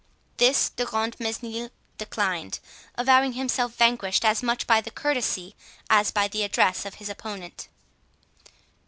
This De Grantmesnil declined, avowing himself vanquished as much by the courtesy as by the address of his opponent.